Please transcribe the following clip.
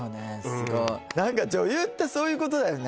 すごい何か女優ってそういうことだよね